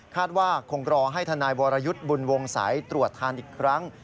ว่าคงรอให้ทนายวรยุทธ์บุญวงศัยตรวจทานอีกครั้ง